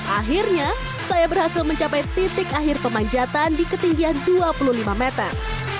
akhirnya saya berhasil mencapai titik akhir pemanjatan di ketinggian dua puluh lima meter